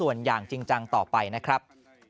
ส่วนอย่างจริงจังต่อไปนะครับ